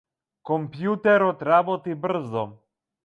Компјутерот работи брзо.